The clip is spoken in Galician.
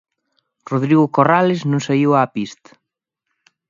Rodrigo Corrales non saíu á pista.